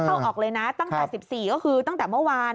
เข้าออกเลยนะตั้งแต่๑๔ก็คือตั้งแต่เมื่อวาน